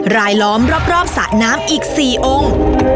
ล้อมรอบสระน้ำอีก๔องค์